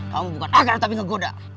kamu bukan akrab tapi menggoda